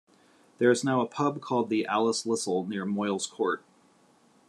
There is now a pub called the Alice Lisle near Moyles Court.